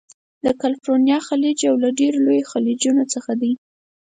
د کلفورنیا خلیج یو له ډیرو لویو خلیجونو څخه دی.